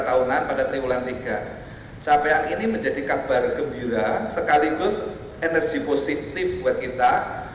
tahunan pada triwulan tiga capaian ini menjadi kabar gembira sekaligus energi positif buat kita